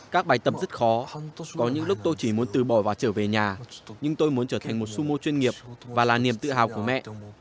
các bài tập rất khó có những lúc tôi chỉ muốn từ bỏ và trở về nhà nhưng tôi muốn trở thành một sumo chuyên nghiệp và là niềm tự hào của mẹ